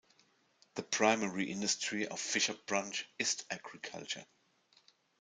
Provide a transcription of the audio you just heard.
The primary industry of Fisher Branch is agriculture.